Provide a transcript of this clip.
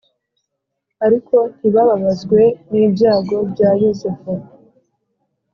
ariko ntibababazwe n’ibyago bya Yosefu